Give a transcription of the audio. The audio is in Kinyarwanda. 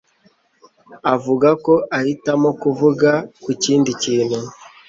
avuga ko ahitamo kuvuga ku kindi kintu.